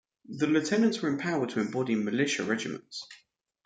The lieutenants were empowered to embody militia regiments.